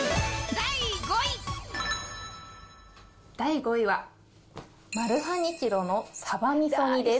第５位は、マルハニチロのさばみそ煮です。